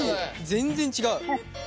全然違う。